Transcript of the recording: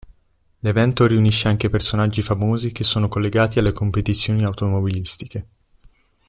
L'evento riunisce anche personaggi famosi che sono collegati alle competizioni automobilistiche.